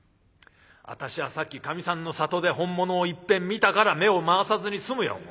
私はさっきかみさんの里で本物をいっぺん見たから目を回さずに済むよ